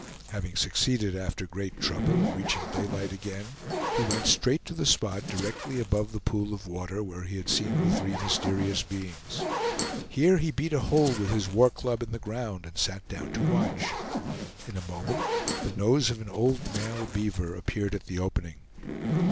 Having succeeded, after great trouble, in reaching daylight again, he went straight to the spot directly above the pool of water where he had seen the three mysterious beings. Here he beat a hole with his war club in the ground, and sat down to watch. In a moment the nose of an old male beaver appeared at the opening.